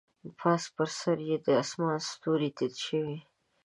پاس پر سر یې د اسمان ستوري تت شوي